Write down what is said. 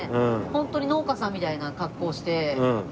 ホントに農家さんみたいな格好して。